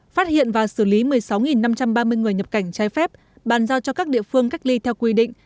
phát hiện và xử lý một mươi sáu năm trăm ba mươi người nhập cảnh trái phép bàn giao cho các địa phương cách ly theo quy định